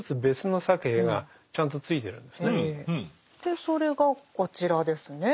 でそれがこちらですね。